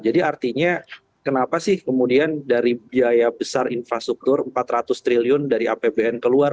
jadi artinya kenapa sih kemudian dari biaya besar infrastruktur empat ratus triliun dari apbn keluar